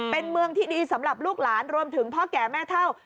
เป็นเมืองที่ดีสำหรับลูกหลานรวมถึงพ่อแก่แม่เท่า